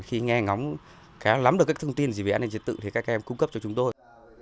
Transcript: khi nghe ngóng cá lắm được các thông tin gì về an ninh trật tự thì các em cung cấp cho chúng tôi